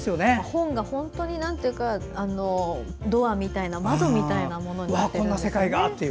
本が本当にドアみたいな、窓みたいなもので。